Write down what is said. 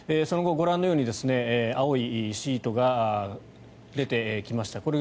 その後、ご覧のように青いシートが出てきました。